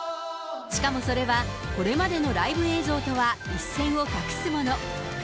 しかもそれは、これまでのライブ映像とは一線を画すもの。